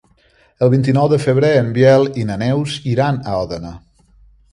El vint-i-nou de febrer en Biel i na Neus iran a Òdena.